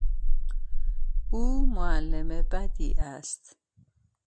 او معلم بدی است.